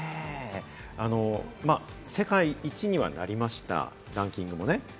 世界一にはなりました、ランキングもね。